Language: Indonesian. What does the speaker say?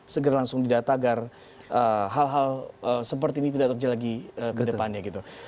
segera langsung didata agar hal hal seperti ini tidak terjadi lagi ke depannya gitu